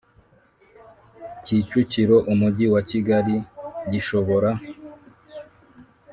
Kicukiro Umujyi wa Kigali Gishobora